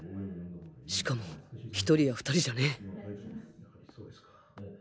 しかも１人や２人じゃねぇ